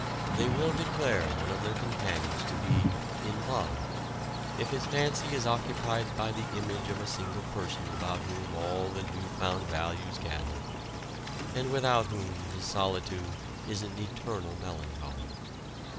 They will declare one of their companions to be 'in love' if his fancy is occupied by the image of a single person about whom all the new found values gather, and without whom his solitude is an eternal melancholy.